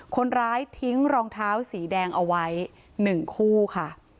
คนร้ายทิ้งรองเท้าสีแดงเอาไว้๑คู่ค่ะ